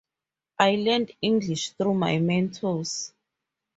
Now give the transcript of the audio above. I learned English through my mentors.